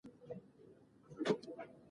باسواده میندې ماشومانو ته دعا کول ور زده کوي.